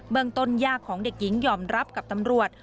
เมืองต้นย่าของเด็กหญิงยอมรับกับตำรวจ